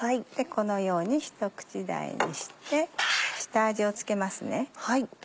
このように一口大にして下味を付けますね。